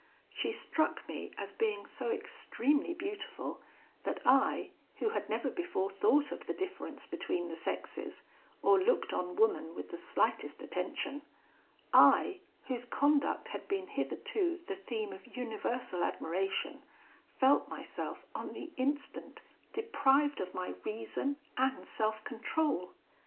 She struck me as being so extremely beautiful, that I, who had never before thought of the difference between the sexes, or looked on woman with the slightest attention I, whose conduct had been hitherto the theme of universal admiration, felt myself, on the instant, deprived of my reason and self control.